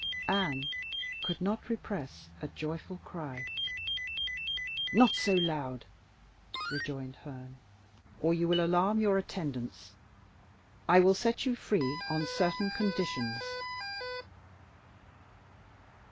Anne could not repress a joyful cry. "Not so loud," rejoined Herne, "or you will alarm your attendants. I will set you free on certain conditions."